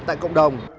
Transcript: tại cộng đồng